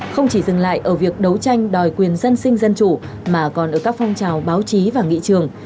không chỉ dừng lại ở việc đấu tranh đòi quyền dân sinh dân chủ mà còn ở các phong trào báo chí và nghị trường